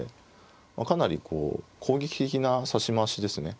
かなりこう攻撃的な指し回しですね